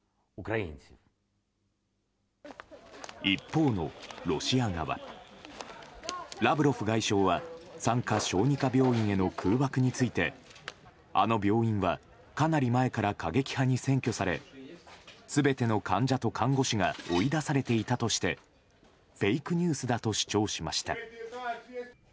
一方のロシア側ラブロフ外相は産科・小児科病院への空爆についてあの病院はかなり前から過激派に占拠され全ての患者と看護師が追い出されていたとしてフェイクニュースだと主張しました。